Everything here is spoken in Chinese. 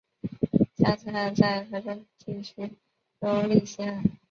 加兹罕在河中地区拥立新汗。